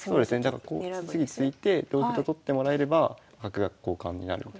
だからこう次突いて同歩と取ってもらえれば角が交換になるみたいな。